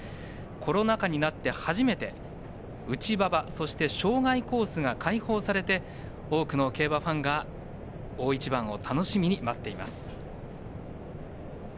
コロナ禍になって初めて内馬場そして、障害コースが開放されて、多くの競馬ファンが大一番を楽しみに待っています。